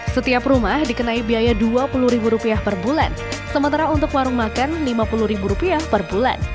setiap rumah dikenai biaya rp dua puluh per bulan sementara untuk warung makan rp lima puluh per bulan